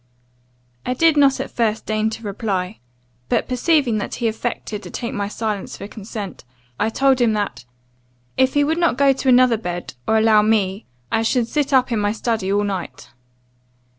"I did not at first deign to reply. But perceiving that he affected to take my silence for consent, I told him that, 'If he would not go to another bed, or allow me, I should sit up in my study all night.